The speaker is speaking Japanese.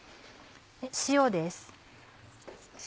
塩です。